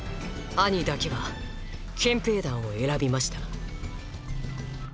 アニだけは憲兵団を選びました